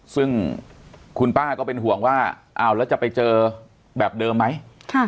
ซึ่งคุณป้าก็เป็นห่วงว่าเอาแล้วจะไปเจอแบบเดิมไหม